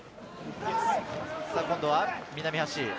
今度は南橋。